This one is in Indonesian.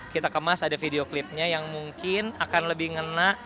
kita kemas ada video klipnya yang mungkin akan lebih ngena